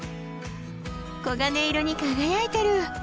黄金色に輝いてる。